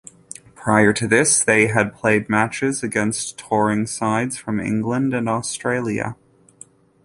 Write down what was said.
Prior to this they had played matches against touring sides from England and Australia.